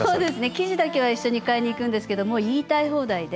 生地だけは一緒に買いに行くんですけどもう言いたい放題で。